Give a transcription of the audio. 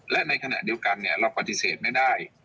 และในขณะเดียวกันเราปฏิเสธไม่ได้